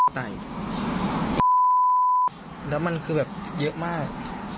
ไต่แล้วมันคือแบบเยอะมาก